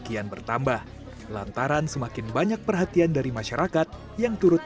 kian bertambah lantaran semakin banyak perhatian dari masyarakat yang turut